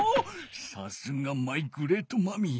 さすがマイグレートマミー。